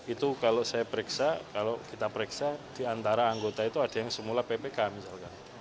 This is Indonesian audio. itu kalau saya periksa kalau kita periksa diantara anggota itu ada yang semula ppk misalkan